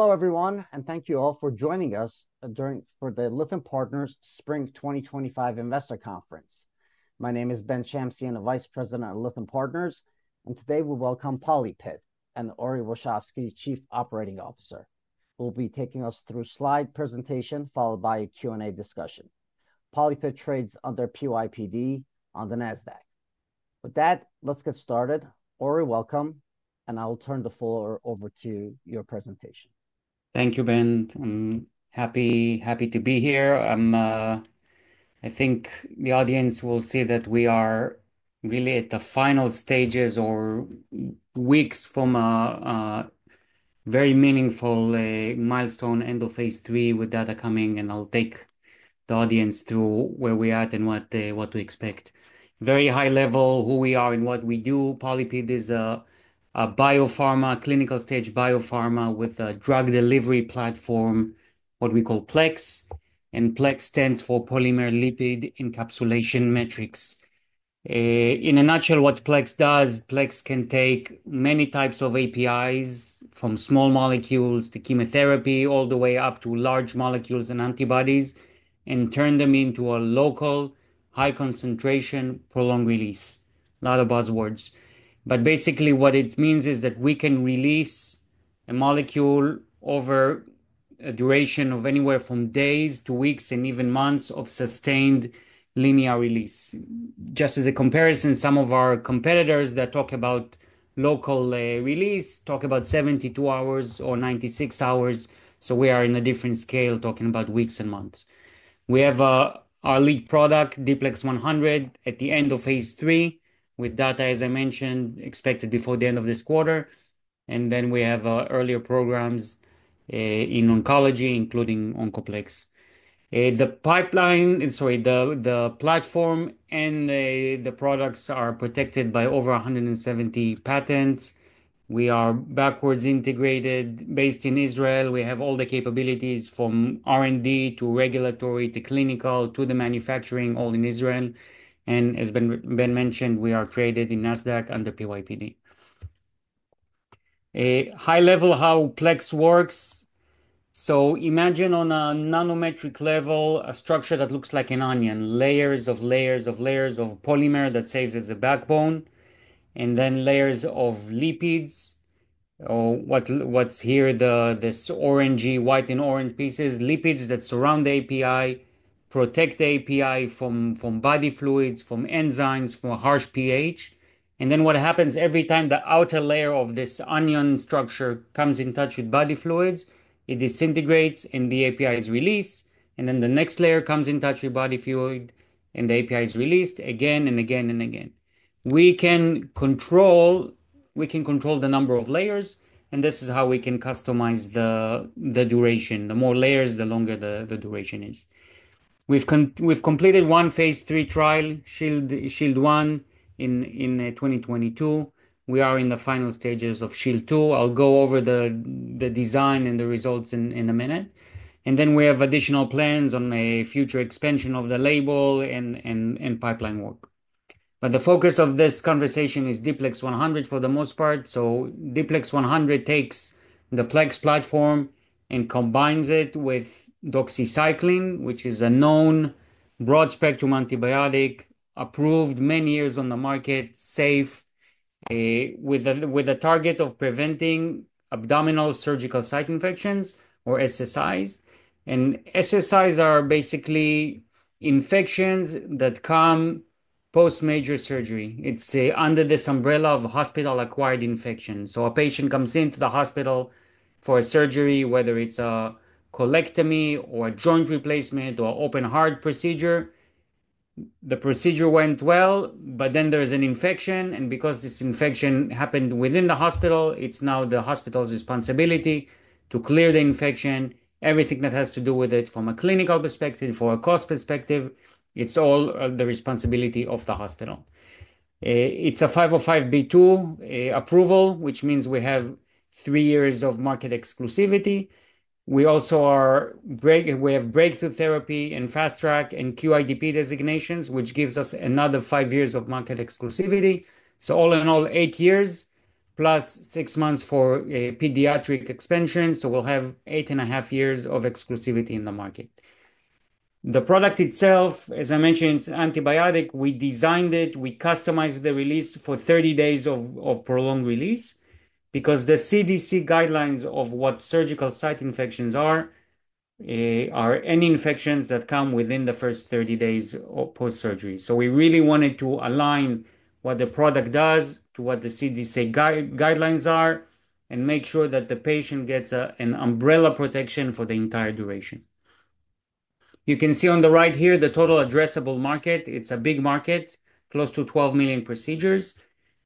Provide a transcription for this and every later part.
Hello everyone, and thank you all for joining us during the Lytham Partners Spring 2025 Investor Conference. My name is Ben Shamsian, I'm the Vice President of Lytham Partners, and today we welcome PolyPid and Ori Warshavsky, Chief Operating Officer. We'll be taking us through slide presentation followed by a Q&A discussion. PolyPid trades under PYPD on the NASDAQ. With that, let's get started. Ori, welcome, and I'll turn the floor over to your presentation. Thank you, Ben. I'm happy to be here. I think the audience will see that we are really at the final stages or weeks from a very meaningful milestone, end of phase III with data coming, and I'll take the audience through where we're at and what to expect. Very high level who we are and what we do. PolyPid is a clinical stage biopharma with a drug delivery platform, what we call PLEX, and PLEX stands for Polymer Lipid Encapsulation Matrix. In a nutshell, what PLEX does, PLEX can take many types of APIs from small molecules to chemotherapy all the way up to large molecules and antibodies and turn them into a local high concentration prolonged release. A lot of buzzwords, but basically what it means is that we can release a molecule over a duration of anywhere from days to weeks and even months of sustained linear release. Just as a comparison, some of our competitors that talk about local release talk about 72 hours or 96 hours, so we are in a different scale talking about weeks and months. We have our lead product, D‑PLEX₁₀₀, at the end of phase IIIwith data, as I mentioned, expected before the end of this quarter, and then we have earlier programs in oncology, including OncoPLEX. The platform and the products are protected by over 170 patents. We are backwards integrated, based in Israel. We have all the capabilities from R&D to regulatory to clinical to the manufacturing, all in Israel. As Ben mentioned, we are traded in NASDAQ under PYPD. High level how PLEX works. Imagine on a nanometric level a structure that looks like an onion, layers of layers of layers of polymer that serves as a backbone, and then layers of lipids, or what is here, this orangey, white and orange pieces, lipids that surround the API, protect the API from body fluids, from enzymes, from a harsh pH. What happens every time the outer layer of this onion structure comes in touch with body fluids, it disintegrates and the API is released, and then the next layer comes in touch with body fluid and the API is released again and again and again. We can control, we can control the number of layers, and this is how we can customize the duration. The more layers, the longer the duration is. We have completed one phase III trial, Shield 1 in 2022. We are in the final stages of Shield II. I'll go over the design and the results in a minute, and then we have additional plans on a future expansion of the label and pipeline work. The focus of this conversation is D‑PLEX₁₀₀ for the most part. D‑PLEX₁₀₀ takes the PLEX platform and combines it with doxycycline, which is a known broad spectrum antibiotic, approved many years on the market, safe, with a target of preventing abdominal surgical site infections or SSIs. SSIs are basically infections that come post major surgery. It is under this umbrella of hospital acquired infection. A patient comes into the hospital for a surgery, whether it's a colectomy or a joint replacement or open heart procedure. The procedure went well, but then there's an infection, and because this infection happened within the hospital, it's now the hospital's responsibility to clear the infection. Everything that has to do with it from a clinical perspective, from a cost perspective, it's all the responsibility of the hospital. It's a 505(b)(2) approval, which means we have three years of market exclusivity. We also are, we have breakthrough therapy and fast track and QIDP designations, which gives us another five years of market exclusivity. All in all, eight years plus six months for pediatric expansion. We'll have eight and a half years of exclusivity in the market. The product itself, as I mentioned, it's an antibiotic. We designed it, we customized the release for 30 days of prolonged release because the CDC guidelines of what surgical site infections are are any infections that come within the first 30 days post surgery. We really wanted to align what the product does to what the CDC guidelines are and make sure that the patient gets an umbrella protection for the entire duration. You can see on the right here the total addressable market. It's a big market, close to 12 million procedures,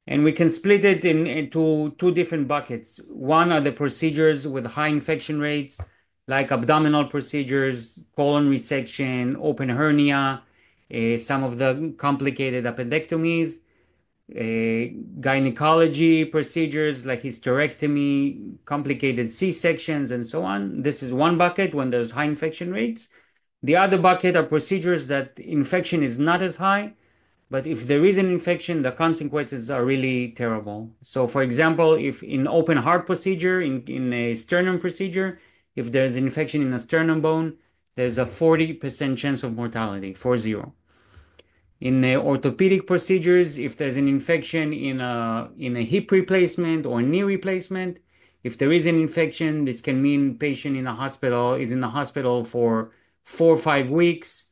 and we can split it into two different buckets. One are the procedures with high infection rates like abdominal procedures, colon resection, open hernia, some of the complicated appendectomies, gynecology procedures like hysterectomy, complicated C-sections, and so on. This is one bucket when there's high infection rates. The other bucket are procedures that infection is not as high, but if there is an infection, the consequences are really terrible. For example, if in open heart procedure, in a sternum procedure, if there's an infection in a sternum bone, there's a 40% chance of mortality, four zero. In the orthopedic procedures, if there's an infection in a hip replacement or knee replacement, if there is an infection, this can mean the patient in the hospital is in the hospital for four or five weeks,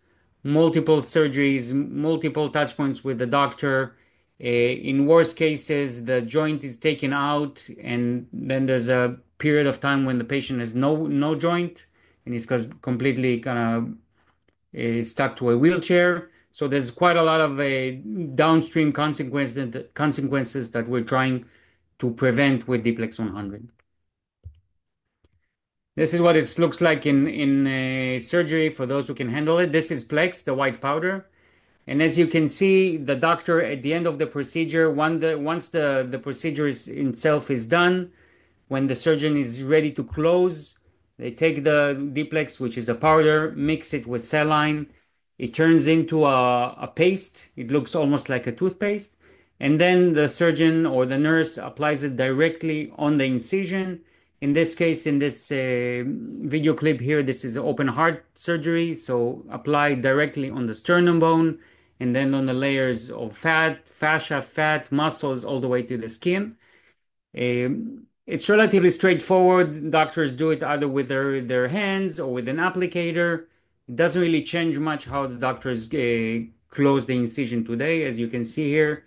multiple surgeries, multiple touch points with the doctor. In worst cases, the joint is taken out and then there's a period of time when the patient has no joint and he's completely kind of stuck to a wheelchair. There's quite a lot of downstream consequences that we're trying to prevent with D‑PLEX₁₀₀. This is what it looks like in surgery for those who can handle it. This is PLEX, the white powder. As you can see, the doctor at the end of the procedure, once the procedure itself is done, when the surgeon is ready to close, they take the D‑PLEX, which is a powder, mix it with saline, it turns into a paste. It looks almost like a toothpaste. The surgeon or the nurse applies it directly on the incision. In this case, in this video clip here, this is an open heart surgery. Applied directly on the sternum bone and then on the layers of fat, fascia fat, muscles all the way to the skin. It is relatively straightforward. Doctors do it either with their hands or with an applicator. It doesn't really change much how the doctors close the incision today, as you can see here.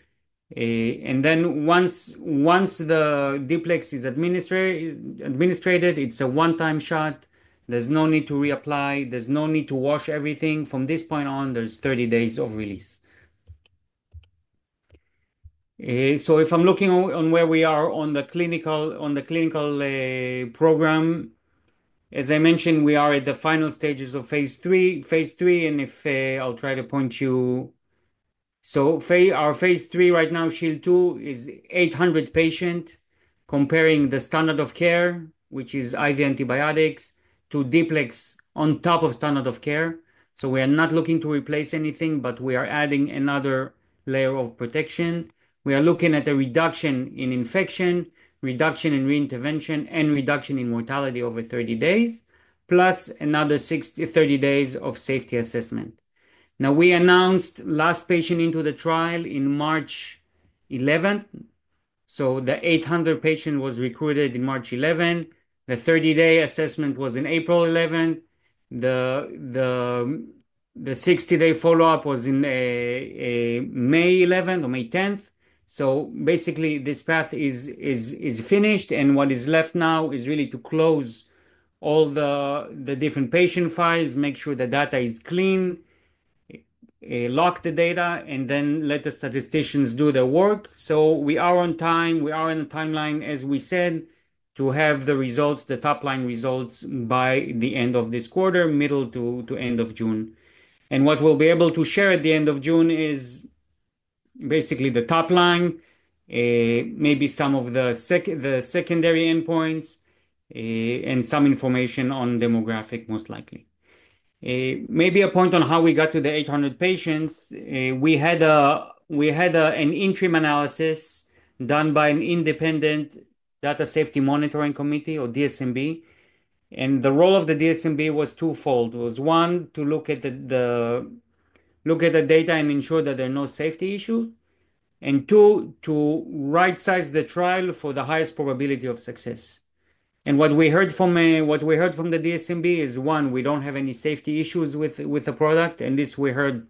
Once the D‑PLEX is administrated, it's a one-time shot. There's no need to reapply. There's no need to wash everything. From this point on, there's 30 days of release. If I'm looking on where we are on the clinical program, as I mentioned, we are at the final stages of phase III. Phase III, and if I'll try to point you. Our phase III right now, shield two, is 800 patients comparing the standard of care, which is IV antibiotics, to D‑PLEX on top of standard of care. We are not looking to replace anything, but we are adding another layer of protection. We are looking at a reduction in infection, reduction in reintervention, and reduction in mortality over 30 days, plus another 30 days of safety assessment. Now, we announced last patient into the trial on March 11. So the 800 patients were recruited on March 11. The 30-day assessment was on April 11. The 60-day follow-up was on May 11 or May 10. Basically, this path is finished, and what is left now is really to close all the different patient files, make sure the data is clean, lock the data, and then let the statisticians do their work. We are on time. We are on the timeline, as we said, to have the results, the top line results by the end of this quarter, middle to end of June. What we'll be able to share at the end of June is basically the top line, maybe some of the secondary endpoints, and some information on demographic, most likely. Maybe a point on how we got to the 800 patients. We had an interim analysis done by an independent Data Safety Monitoring Committee or DSMB, and the role of the DSMB was twofold. It was one, to look at the data and ensure that there are no safety issues, and two, to right-size the trial for the highest probability of success. What we heard from the DSMB is, one, we do not have any safety issues with the product, and this we heard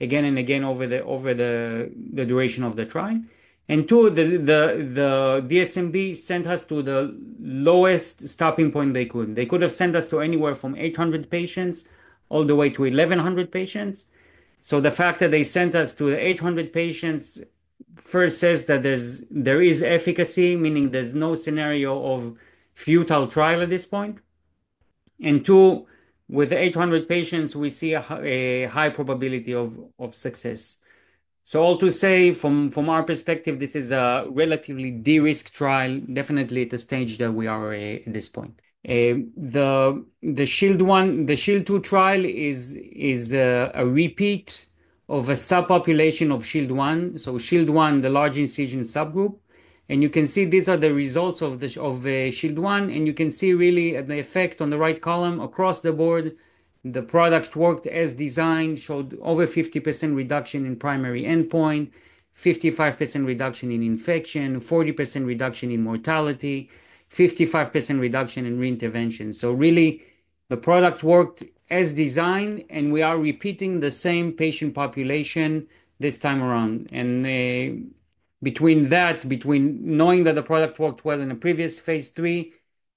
again and again over the duration of the trial. Two, the DSMB sent us to the lowest stopping point they could. They could have sent us to anywhere from 800 patients all the way to 1,100 patients. The fact that they sent us to the 800 patients first says that there is efficacy, meaning there's no scenario of futile trial at this point. With 800 patients, we see a high probability of success. All to say, from our perspective, this is a relatively de-risked trial, definitely at the stage that we are at this point. The SHIELD I, the SHIELD II trial is a repeat of a subpopulation of SHIELD I. SHIELD I, the large incision subgroup, and you can see these are the results of the SHIELD I, and you can see really the effect on the right column across the board. The product worked as designed, showed over 50% reduction in primary endpoint, 55% reduction in infection, 40% reduction in mortality, 55% reduction in reintervention. Really, the product worked as designed, and we are repeating the same patient population this time around. Between that, between knowing that the product worked well in the previous phase III,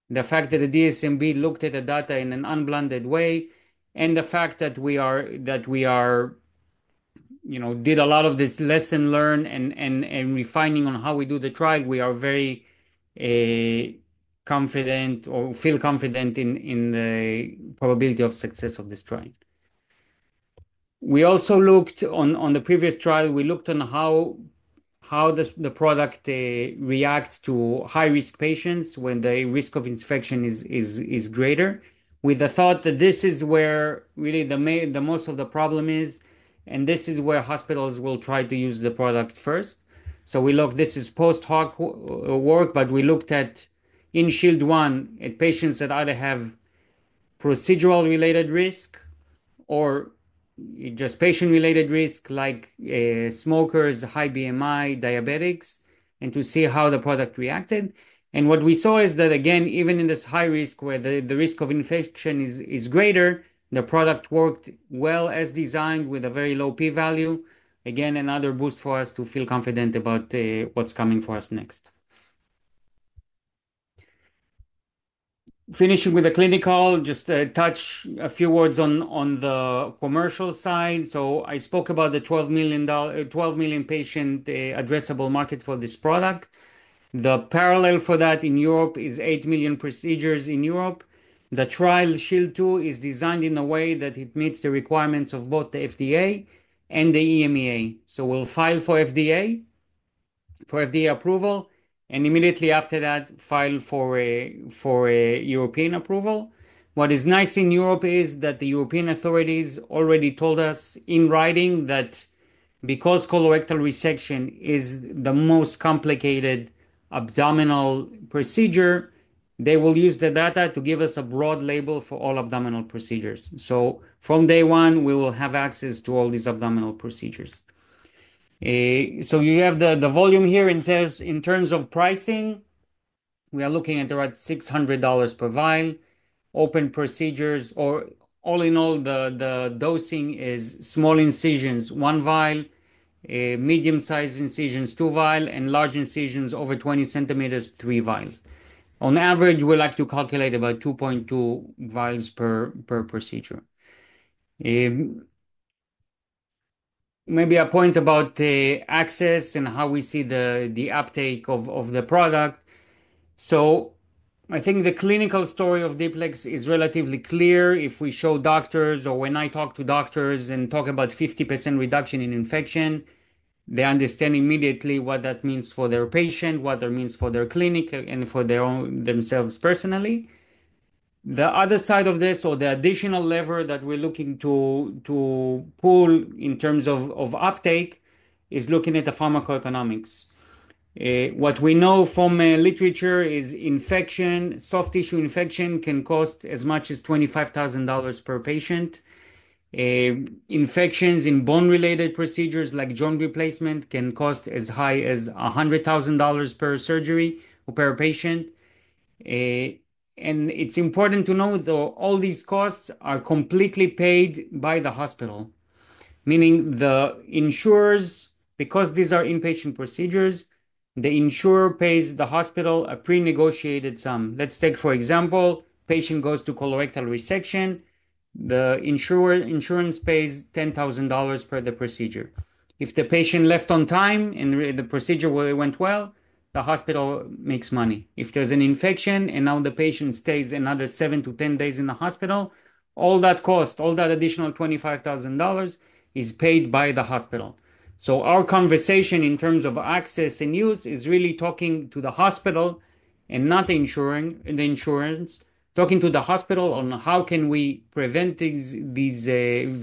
the fact that the DSMB looked at the data in an unblinded way, and the fact that we are, you know, did a lot of this lesson learned and refining on how we do the trial, we are very confident or feel confident in the probability of success of this trial. We also looked on the previous trial, we looked on how the product reacts to high-risk patients when the risk of infection is greater, with the thought that this is where really the most of the problem is, and this is where hospitals will try to use the product first. We looked, this is post hoc work, but we looked at in SHIELD I at patients that either have procedural related risk or just patient-related risk like smokers, high BMI, diabetics, and to see how the product reacted. What we saw is that again, even in this high risk where the risk of infection is greater, the product worked well as designed with a very low p-value. Again, another boost for us to feel confident about what's coming for us next. Finishing with the clinical, just touch a few words on the commercial side. So I spoke about the 12 million patient addressable market for this product. The parallel for that in Europe is 8 million procedures in Europe. The trial Shield II is designed in a way that it meets the requirements of both the FDA and the EMA. So we'll file for FDA approval and immediately after that, file for a European approval. What is nice in Europe is that the European authorities already told us in writing that because colorectal resection is the most complicated abdominal procedure, they will use the data to give us a broad label for all abdominal procedures. So from day one, we will have access to all these abdominal procedures. So you have the volume here in terms of pricing. We are looking at around $600 per vial. Open procedures, or all in all, the dosing is small incisions, one vial, medium-sized incisions, two vials, and large incisions over 20 centimeters, three vials. On average, we like to calculate about 2.2 vials per procedure. Maybe a point about access and how we see the uptake of the product. I think the clinical story of D‑PLEX is relatively clear. If we show doctors or when I talk to doctors and talk about 50% reduction in infection, they understand immediately what that means for their patient, what that means for their clinic, and for themselves personally. The other side of this or the additional lever that we're looking to pull in terms of uptake is looking at the pharmacoeconomics. What we know from literature is infection, soft tissue infection can cost as much as $25,000 per patient. Infections in bone-related procedures like joint replacement can cost as high as $100,000 per surgery or per patient. It is important to know that all these costs are completely paid by the hospital, meaning the insurers, because these are inpatient procedures, the insurer pays the hospital a pre-negotiated sum. Let's take, for example, patient goes to colorectal resection. The insurance pays $10,000 per the procedure. If the patient left on time and the procedure went well, the hospital makes money. If there's an infection and now the patient stays another 7-10 days in the hospital, all that cost, all that additional $25,000 is paid by the hospital. Our conversation in terms of access and use is really talking to the hospital and not the insurance, talking to the hospital on how can we prevent these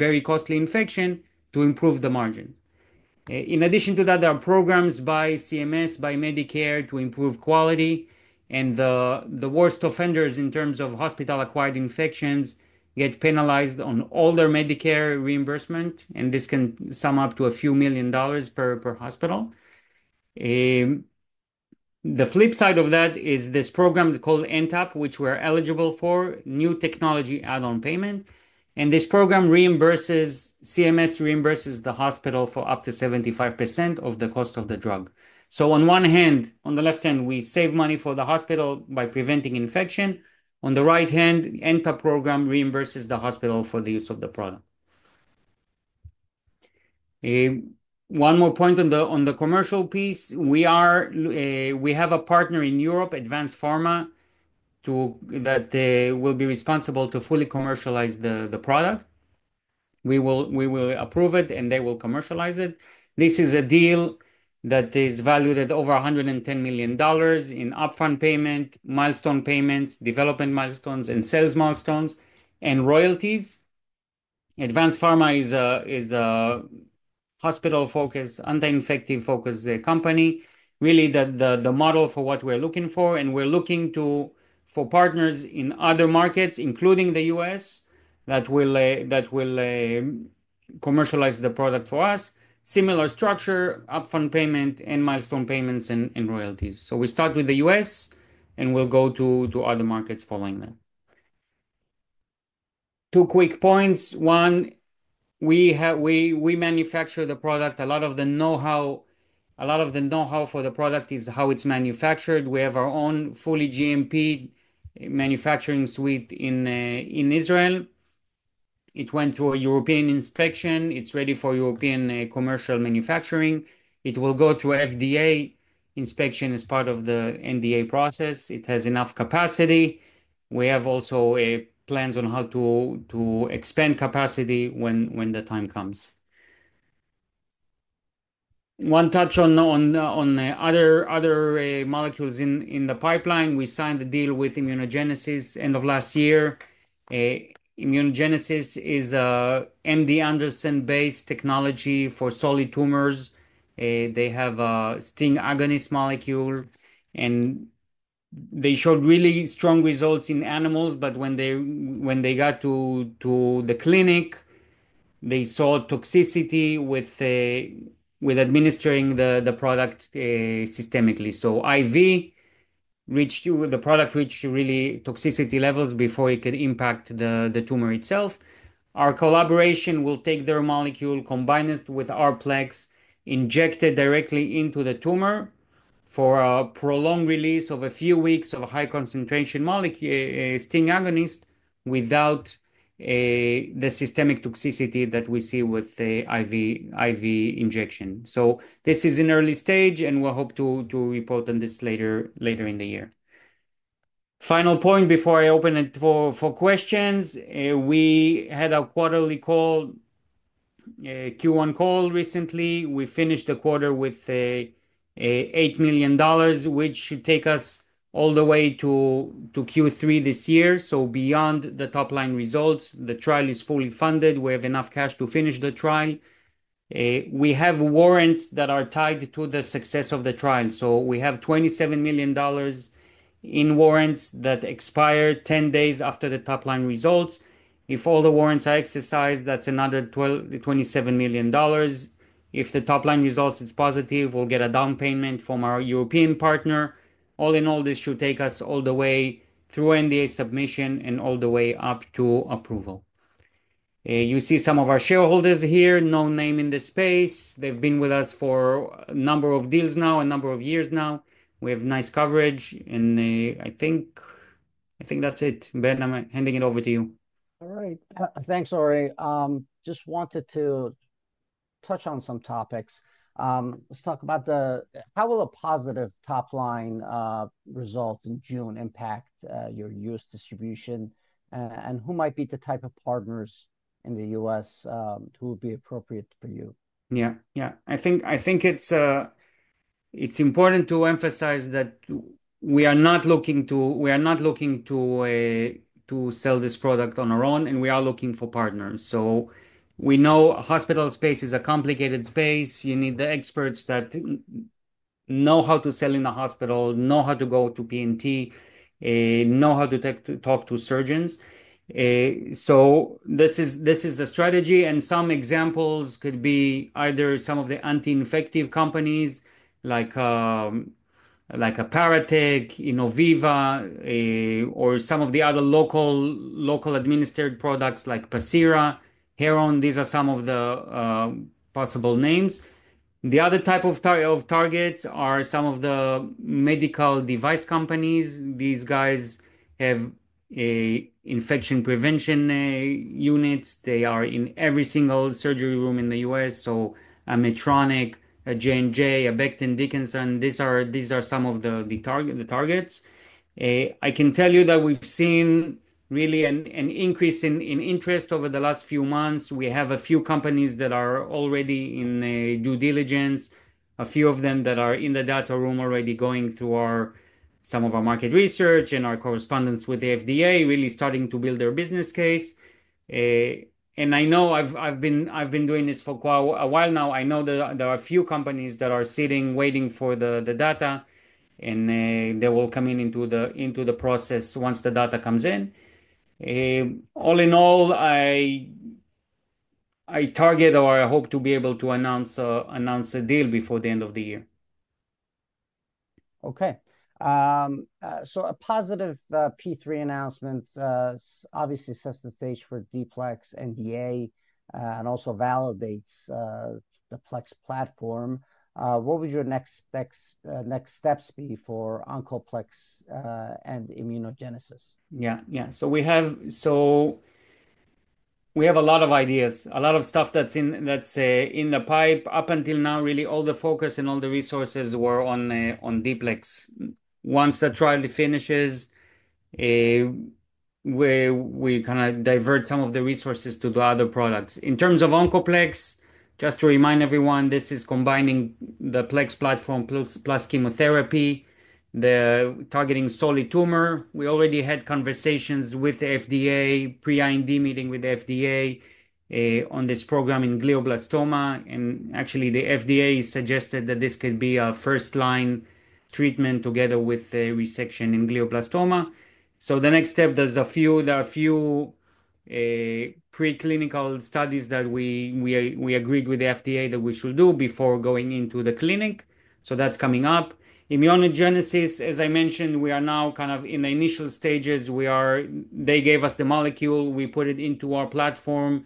very costly infections to improve the margin. In addition to that, there are programs by CMS, by Medicare to improve quality. The worst offenders in terms of hospital-acquired infections get penalized on all their Medicare reimbursement, and this can sum up to a few million dollars per hospital. The flip side of that is this program called NTAP, which we're eligible for, new technology add-on payment. This program reimburses, CMS reimburses the hospital for up to 75% of the cost of the drug. On one hand, on the left hand, we save money for the hospital by preventing infection. On the right hand, NTAP program reimburses the hospital for the use of the product. One more point on the commercial piece. We have a partner in Europe, Advanced Pharma, that will be responsible to fully commercialize the product. We will approve it, and they will commercialize it. This is a deal that is valued at over $110 million in upfront payment, milestone payments, development milestones, and sales milestones, and royalties. Advanced Pharma is a hospital-focused, anti-infective-focused company, really the model for what we're looking for. We're looking for partners in other markets, including the U.S., that will commercialize the product for us, similar structure, upfront payment, and milestone payments and royalties. We start with the U.S., and we'll go to other markets following that. Two quick points. One, we manufacture the product. A lot of the know-how for the product is how it's manufactured. We have our own fully GMP manufacturing suite in Israel. It went through a European inspection. It's ready for European commercial manufacturing. It will go through FDA inspection as part of the NDA process. It has enough capacity. We have also plans on how to expand capacity when the time comes. One touch on other molecules in the pipeline. We signed a deal with Immunogenesis end of last year. Immunogenesis is an MD Anderson-based technology for solid tumors. They have a STING agonist molecule, and they showed really strong results in animals, but when they got to the clinic, they saw toxicity with administering the product systemically. IV, the product reached really toxicity levels before it could impact the tumor itself. Our collaboration will take their molecule, combine it with our PLEX, inject it directly into the tumor for a prolonged release of a few weeks of a high-concentration STING agonist without the systemic toxicity that we see with the IV injection. This is an early stage, and we'll hope to report on this later in the year. Final point before I open it for questions. We had a quarterly call, Q1 call recently. We finished the quarter with $8 million, which should take us all the way to Q3 this year. Beyond the top line results, the trial is fully funded. We have enough cash to finish the trial. We have warrants that are tied to the success of the trial. We have $27 million in warrants that expire 10 days after the top line results. If all the warrants are exercised, that's another $27 million. If the top line results is positive, we'll get a down payment from our European partner. All in all, this should take us all the way through NDA submission and all the way up to approval. You see some of our shareholders here, no name in this space. They've been with us for a number of deals now, a number of years now. We have nice coverage. I think that's it. Ben, I'm handing it over to you. All right. Thanks, Ori. Just wanted to touch on some topics. Let's talk about how will a positive top line result in June impact your U.S. distribution and who might be the type of partners in the U.S. who would be appropriate for you? Yeah, yeah. I think it's important to emphasize that we are not looking to, we are not looking to sell this product on our own, and we are looking for partners. We know hospital space is a complicated space. You need the experts that know how to sell in the hospital, know how to go to P&T, know how to talk to surgeons. This is the strategy. Some examples could be either some of the anti-infective companies like Paratek, Innoviva, or some of the other local administered products like Pacira, Heron. These are some of the possible names. The other type of targets are some of the medical device companies. These guys have infection prevention units. They are in every single surgery room in the U.S. So a Medtronic, a J&J, a Becton Dickinson, these are some of the targets. I can tell you that we've seen really an increase in interest over the last few months. We have a few companies that are already in due diligence, a few of them that are in the data room already going through some of our market research and our correspondence with the FDA, really starting to build their business case. I know I've been doing this for a while now. I know that there are a few companies that are sitting waiting for the data, and they will come into the process once the data comes in. All in all, I target or I hope to be able to announce a deal before the end of the year. Okay. A positive phase III announcement obviously sets the stage for D‑PLEX Akselbrad and DA and also validates the PLEX platform. What would your next steps be for OncoPLEX and Immunogenesis? Yeah, yeah. We have a lot of ideas, a lot of stuff that's in the pipe. Up until now, really, all the focus and all the resources were on D‑PLEX Akselbrad. Once the trial finishes, we kind of divert some of the resources to the other products. In terms of OncoPLEX, just to remind everyone, this is combining the PLEX platform plus chemotherapy, targeting solid tumor. We already had conversations with the FDA, pre-IND meeting with the FDA on this program in glioblastoma. Actually, the FDA suggested that this could be a first-line treatment together with resection in glioblastoma. The next step, there are a few preclinical studies that we agreed with the FDA that we should do before going into the clinic. That is coming up. Immunogenesis, as I mentioned, we are now kind of in the initial stages. They gave us the molecule. We put it into our platform.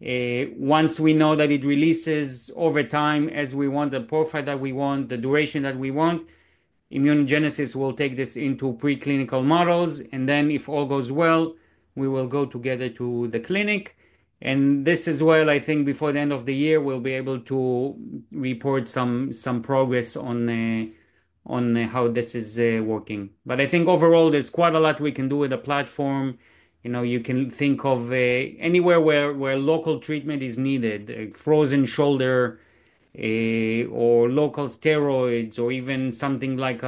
Once we know that it releases over time as we want, the profile that we want, the duration that we want, Immunogenesis will take this into preclinical models. If all goes well, we will go together to the clinic. This as well, I think before the end of the year, we will be able to report some progress on how this is working. I think overall, there is quite a lot we can do with the platform. You can think of anywhere where local treatment is needed, frozen shoulder, or local steroids, or even something like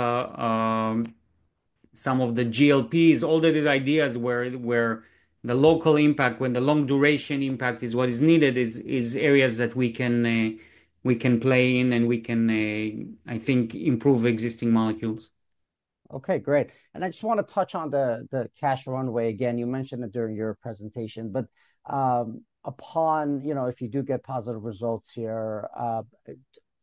some of the GLP-1s. All of these ideas where the local impact, when the long-duration impact is what is needed, is areas that we can play in and we can, I think, improve existing molecules. Okay, great. I just want to touch on the cash runway again. You mentioned it during your presentation. If you do get positive results here,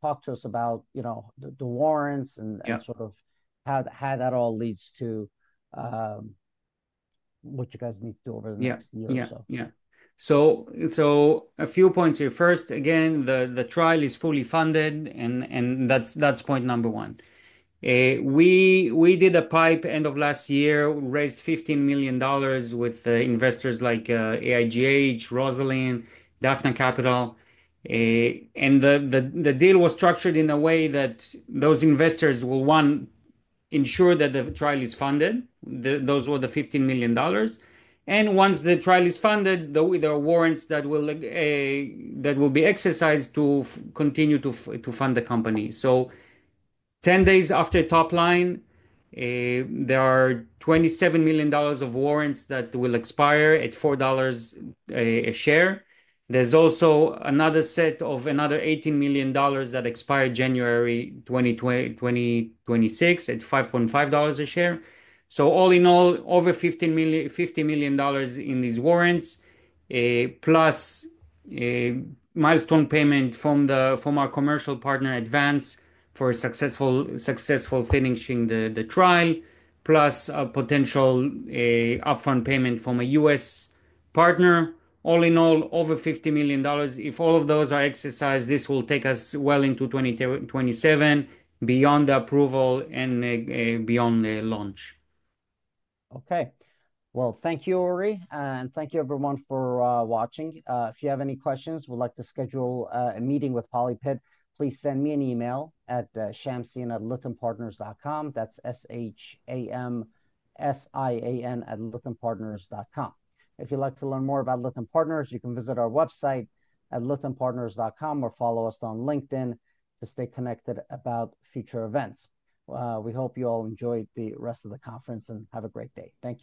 talk to us about the warrants and sort of how that all leads to what you guys need to do over the next year or so. Yeah, yeah. A few points here. First, again, the trial is fully funded, and that's point number one. We did a PIPE end of last year, raised $15 million with investors like AIGH, Rosalind, Daphne Capital. The deal was structured in a way that those investors will, one, ensure that the trial is funded. Those were the $15 million. Once the trial is funded, there are warrants that will be exercised to continue to fund the company. Ten days after top line, there are $27 million of warrants that will expire at $4 a share. There is also another set of another $18 million that expire January 2026 at $5.5 a share. All in all, over $15 million in these warrants, plus milestone payment from our commercial partner Advanced Pharma for successful finishing the trial, plus a potential upfront payment from a US partner. All in all, over $50 million. If all of those are exercised, this will take us well into 2027, beyond the approval and beyond the launch. Thank you, Aaron. Thank you, everyone, for watching. If you have any questions, would like to schedule a meeting with PolyPid, please send me an email at shamsian@lythampartners.com. That's shamsian@lythampartners.com. If you'd like to learn more about Lytham Partners, you can visit our website at lythampartners.com or follow us on LinkedIn to stay connected about future events. We hope you all enjoyed the rest of the conference and have a great day. Thank you.